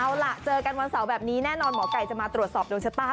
เอาล่ะเจอกันวันเสาร์แบบนี้แน่นอนหมอไก่จะมาตรวจสอบดวงชะตา